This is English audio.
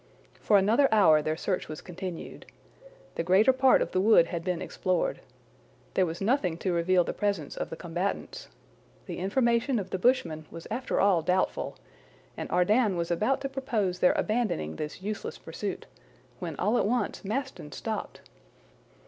For another hour their search was continued. The greater part of the wood had been explored. There was nothing to reveal the presence of the combatants. The information of the bushman was after all doubtful, and Ardan was about to propose their abandoning this useless pursuit, when all at once Maston stopped.